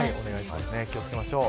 気を付けましょう。